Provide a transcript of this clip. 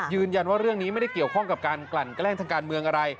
ยืนยันว่าเรื่องนี้ไม่ได้เกี่ยวข้องกับการกลั่นแกล้งทางการเมืองอะไร